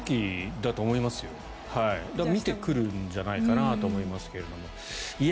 だから、見てくるんじゃないかなとは思いますけども。